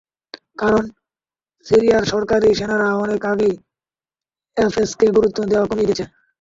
কারণ, সিরিয়ার সরকারি সেনারা অনেক আগেই এফএসএকে গুরুত্ব দেওয়া কমিয়ে দিয়েছে।